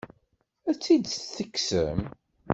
Ad tt-id-tekksem?